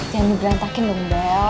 jangan di berantakin dong bel